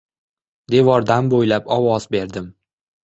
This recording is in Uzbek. Devordan bo‘ylab ovoz berdim.